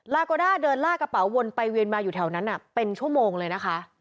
ลาโกด้าเดินลากกระเป๋าวนไปเวียนมาอยู่แถวนั้นเป็นชั่วโมงเลยนะคะ